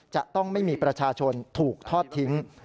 จะต้องไม่มีประชาชนถูกทอดทิ้ง